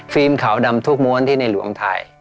ขาวดำทุกม้วนที่ในหลวงถ่าย